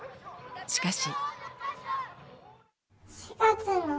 しかし。